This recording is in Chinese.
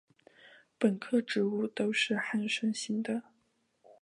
本科植物都是旱生型的。